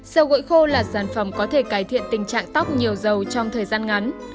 dầu gội khô là sản phẩm có thể cải thiện tình trạng tóc nhiều dầu trong thời gian ngắn